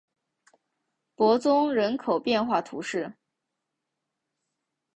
伯宗人口变化图示